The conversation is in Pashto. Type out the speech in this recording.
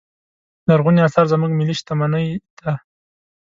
لرغوني اثار زموږ ملي شتمنې ده.